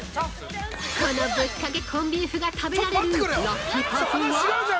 このぶっかけコンビーフが食べられるラッキーパーソンは？